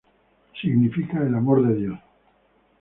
Significa "el Amor de Dios!